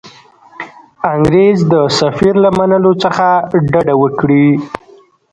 انګرېز د سفیر له منلو څخه ډډه وکړي.